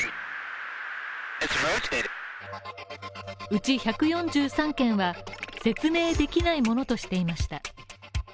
うち１４３件は、説明できないものとしていました。